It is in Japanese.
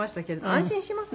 安心します。